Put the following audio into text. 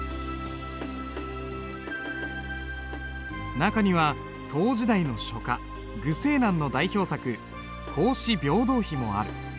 中には唐時代の書家虞世南の代表作「孔子廟堂碑」もある。